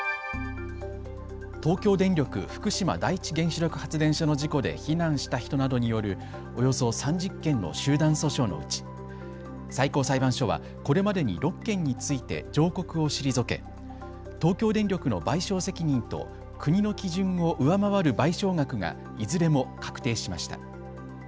東京電力福島第一原子力発電所の事故で避難した人などによるおよそ３０件の集団訴訟のうち最高裁判所はこれまでに６件について上告を退け東京電力の賠償責任と国の基準を上回る賠償額がいずれも確定しました。